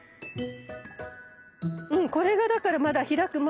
うんこれがだからまだ開く前。